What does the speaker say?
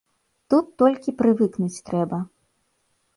Тут толькі прывыкнуць трэба.